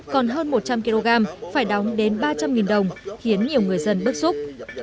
còn hơn một trăm linh kg phải đóng đến ba trăm linh đồng khiến nhiều người dân bức xúc